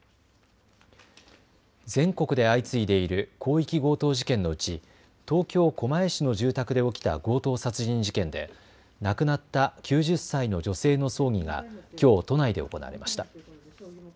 全国で相次いでいる広域強盗事件のうち東京狛江市の住宅で起きた強盗殺人事件で亡くなった９０歳の女性の葬儀がきょう都内で行われました。